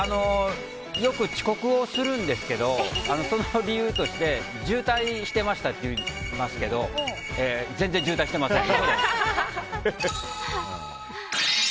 よく遅刻をするんですけどその理由として渋滞してましたって言いますけど全然、渋滞してません。